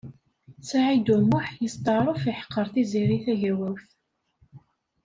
Saɛid U Muḥ yesṭeɛref iḥeqqeṛ Tiziri Tagawawt.